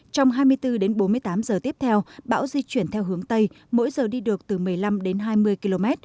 trong hai mươi bốn đến bốn mươi tám giờ tiếp theo bão di chuyển theo hướng tây mỗi giờ đi được từ một mươi năm đến hai mươi km